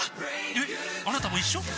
えっあなたも一緒？